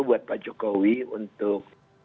buat pak jokowi untuk